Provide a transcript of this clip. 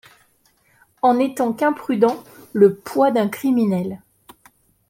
En n’étant qu’imprudent, le poids d’un criminel.